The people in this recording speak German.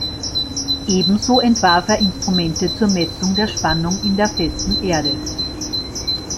Ebenso entwarf er Instrumente zur Messung der Spannung in der festen Erde.